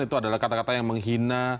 itu adalah kata kata yang menghina